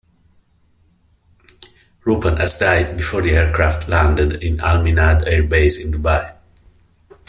Rupan had died before the aircraft landed in Al Minhad Air Base, in Dubai.